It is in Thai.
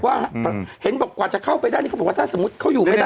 เห็นบอกกว่าจะเข้าไปได้นี่เขาบอกว่าถ้าสมมุติเขาอยู่ไม่ได้